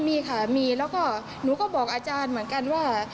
มีค่ะมีแล้วก็หนูก็บอกอาจารย์เหมือนกันว่า